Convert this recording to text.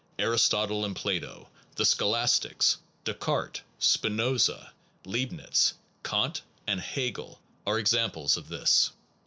Aristotle and Plato, the Scholastics, Descartes, Spinoza, Leibnitz, Kant, and Hegel are examples of this.